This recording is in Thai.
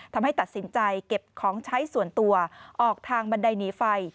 ทำให้ตัดสินใจเก็บของใช้ส่วนตัวออกทางบันไดหนีไฟ